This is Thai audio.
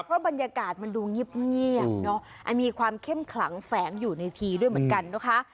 เพราะบรรยากาศมันดูเงียบเนอะอันมีความเข้มขลังแฝงอยู่ในทีด้วยเหมือนกันนะคะ